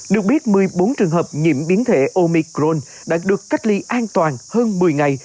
được biết một mươi bốn trường hợp nhiễm biến thể omicron đã được cách ly an toàn hơn một mươi ngày